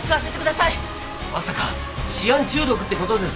まさかシアン中毒って事ですか！？